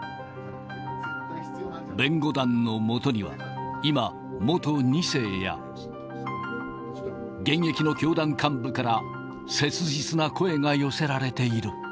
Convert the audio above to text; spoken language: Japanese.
弁護団のもとには今、元２世や現役の教団幹部から、切実な声が寄せられている。